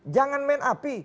jangan main api